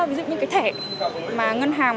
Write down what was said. ví dụ như cái thẻ mà ngân hàng